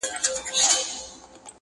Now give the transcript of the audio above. كه موږك هر څه غښتلى گړندى سي.!